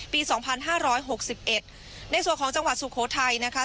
ปีสองพันห้าร้อยหกสิบเอ็ดในส่วนของจังหวัดสุโขทัยนะคะ